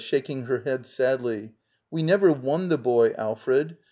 .Rita. [Shaking her head sadly.] We never wwon the boy, Alfred.